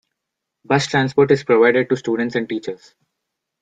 Bus transport is provided to students and teachers.